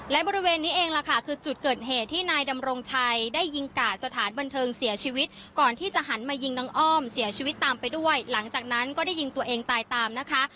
และบริเวณนี้เองล่ะค่ะคือจุดเกิดเหตุที่นายดำรงชัยได้ยิงกาดสถานบันเทิงเสียชีวิตก่อนที่จะหันมายิงน้องอ้อมเสียชีวิตตามไปด้วยหลังจากนั้นก็ได้ยิงตัวเองตายตามนะคะ